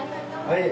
はい。